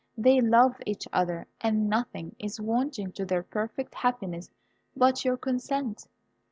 They love each other, and nothing is wanting to their perfect happiness but your consent.